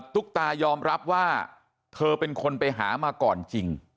ตุ๊กตายอมรับว่าเธอเป็นคนไปหามาก่อนจริง